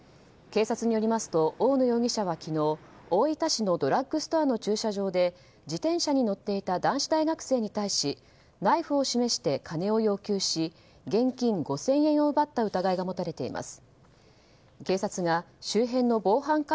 警察によりますと大野容疑者は昨日大分市のドラッグストアの駐車場で自転車に乗っていた男子大学生に対しナイフを示して、金を要求し現金５０００円を奪った疑いが持たれています。